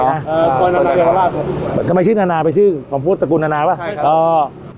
เอ่อนานายาวราชทำไมชื่อนานาไปชื่อของพูดตระกูลนานาปะใช่ครับอ๋อ